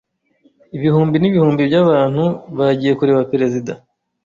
Ibihumbi n’ibihumbi by'abantu bagiye kureba Perezida.